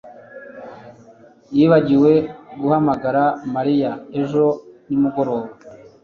yibagiwe guhamagara Mariya ejo nimugoroba